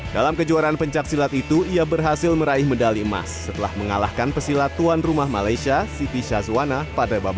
dalam kejuaraan pencaksilat itu ia berhasil meraih medali emas setelah mengalahkan pesilat tuan rumah malaysia siti shazwana pada babak